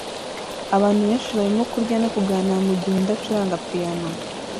Abantu benshi barimo kurya no kuganira mugihe undi acuranga piyano